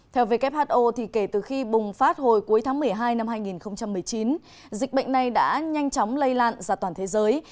theo who kể từ khi bùng phát hồi cuối tháng một mươi hai năm hai nghìn một mươi chín dịch bệnh này đã nhanh chóng lây lan ra toàn thế giới